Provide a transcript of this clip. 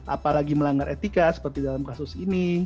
apalagi melanggar etika seperti dalam kasus ini